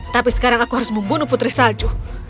tapi sekarang aku harus membunuh putri salju